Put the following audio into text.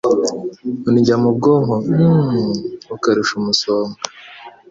Undya mubwonko uhhh ukarusha umusonga